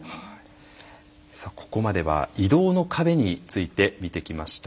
ここまでは移動の壁について見てきました。